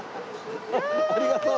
ありがとう。